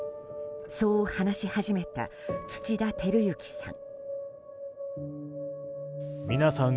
そう話し始めた、土田晃之さん。